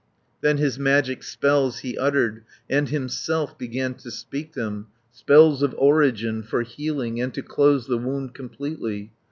Then his magic spells he uttered, And himself began to speak them, Spells of origin, for healing, And to close the wound completely.